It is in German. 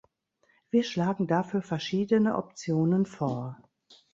Wir schlagen dafür verschiedene Optionen vor.